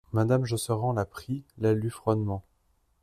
Madame Josserand la prit, la lut froidement.